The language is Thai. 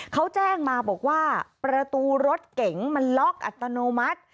เขาแจ้งมาบอกว่าประตูรถเก๋งมันล็อกอัตโนมัติ